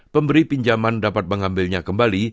pemberi pinjaman dapat mengambilnya kembali